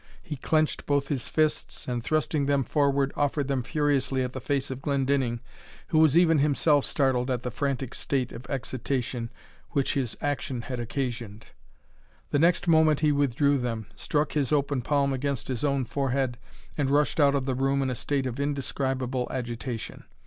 He clenched both his fists, and thrusting them forward, offered them furiously at the face of Glendinning, who was even himself startled at the frantic state of excitation which his action had occasioned. The next moment he withdrew them, struck his open palm against his own forehead, and rushed out of the room in a state of indescribable agitation.